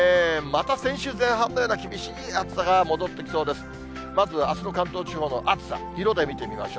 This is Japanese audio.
また先週前半のような厳しい暑さが戻ってきそうです。